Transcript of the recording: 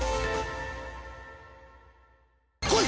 来い！